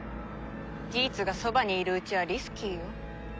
ギーツがそばにいるうちはリスキーよ。